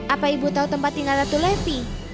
apa ibu tahu tempat tinggal ratu levi